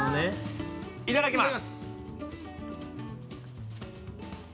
いただきます。